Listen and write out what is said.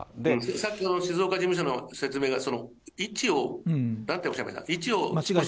さっきの静岡事務所の説明では、位置を、なんとおっしゃいました？